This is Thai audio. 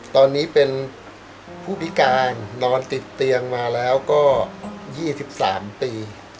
ตอนนี้เป็นผู้พิการนอนติดเตียงมาแล้วก็๒๓ปี